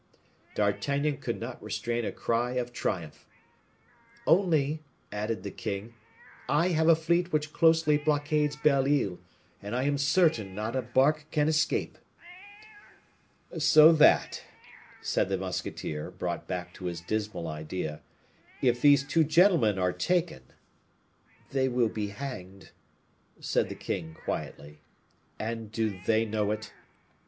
D'Artagnan could not restrain a cry of triumph. "Only," added the king, "I have a fleet which closely blockades Belle Isle, and I am certain not a bark can escape." "So that," said the musketeer, brought back to his dismal idea, "if these two gentlemen are taken " "They will be hanged," said the king, quietly. "And do they know it?"